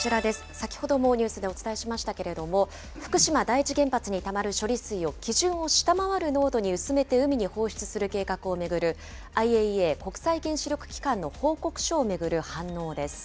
先ほどもニュースでお伝えしましたけれども、福島第一原発にたまる処理水を、基準を下回る濃度に薄めて海に放出する計画を巡る、ＩＡＥＡ・国際原子力機関の報告書を巡る反応です。